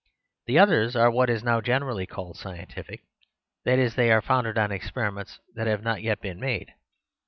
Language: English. The others are what is now generally called scientific; that is, they are founded on experiments that have not yet been made.